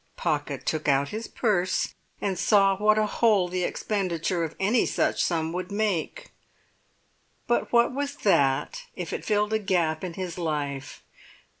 Pocket took out his purse and saw what a hole the expenditure of any such sum would make. But what was that if it filled a gap in his life?